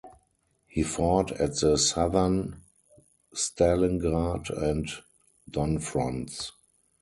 He fought at the Southern, Stalingrad and Don Fronts.